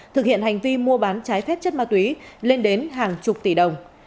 thực hiện hành vi mua bán trái phép chất ma túy lên đến hàng chục tỷ đồng